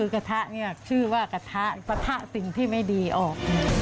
กระทะเนี่ยชื่อว่ากระทะปะทะสิ่งที่ไม่ดีออก